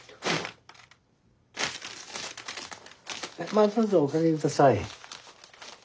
まっどうぞお掛け下さい。